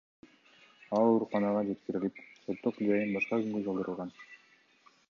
Ал ооруканага жеткирилип, соттук жыйын башка күнгө жылдырылган.